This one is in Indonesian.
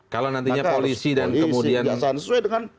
kalau nantinya polisi dan kemudian